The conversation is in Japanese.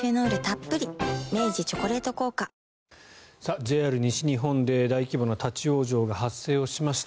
ＪＲ西日本で大規模な立ち往生が発生をしました。